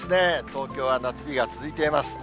東京は夏日が続いています。